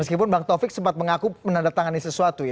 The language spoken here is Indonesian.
meskipun bang taufik sempat mengaku menandatangani sesuatu ya